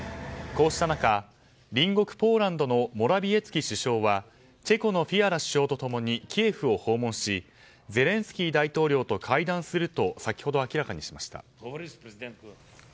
こうした中、隣国ポーランドのモラビエツキ首相はチェコのフィアラ首相と共にキエフを訪問しゼレンスキー大統領と会談すると先ほど明らかにしました。